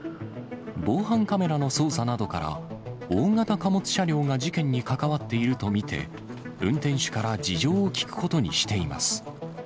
防犯カメラの捜査などから、大型貨物車両が事件に関わっていると見て、運転手から事情を聴くことにしています。